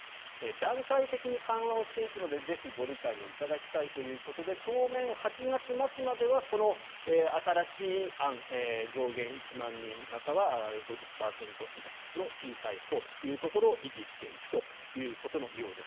段階的に緩和をしていくのでぜひご理解を頂きたいということで当面、８月末まではこの新しい案、上限１万人または５０％以下の小さいほうというところを維持していくということのようです。